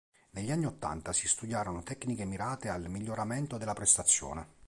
Negli anni ottanta si studiarono tecniche mirate al miglioramento della prestazione.